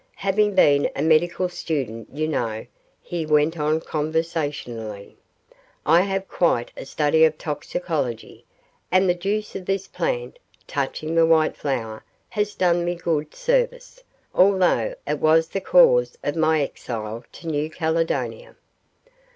Having been a medical student, you know,' he went on, conversationally, 'I made quite a study of toxicology, and the juice of this plant,' touching the white flower, 'has done me good service, although it was the cause of my exile to New Caledonia.